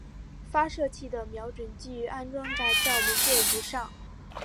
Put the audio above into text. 发射器的瞄准具安装在照门座以上。